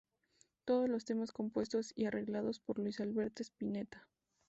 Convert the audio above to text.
Todos los temas compuestos y arreglados por Luis Alberto Spinetta.